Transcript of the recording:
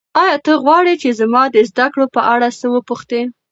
ایا ته غواړې چې زما د زده کړو په اړه څه وپوښتې؟